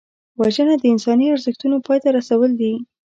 وژنه د انساني ارزښتونو پای ته رسول دي